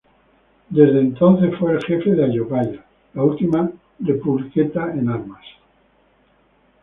Desde entonces fue el jefe de Ayopaya, la última republiqueta en armas.